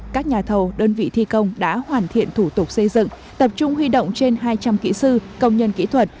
các nhà thầu đơn vị thi công đã hoàn thiện thủ tục xây dựng tập trung huy động trên hai trăm linh kỹ sư công nhân kỹ thuật